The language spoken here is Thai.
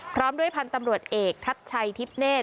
พร้อมด้วยพันธุ์ตำรวจเอกทัชชัยทิพเนธ